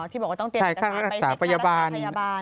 อ๋อที่บอกว่าต้องเตรียมอักษรรักษาพยาบาล